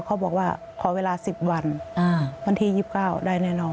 เขาบอกว่าขอเวลา๑๐วันวันที่๒๙ได้แน่นอน